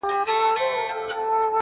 نو په سندرو کي به تا وينمه.